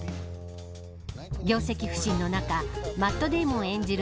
業績不振の中マット・デイモン演じる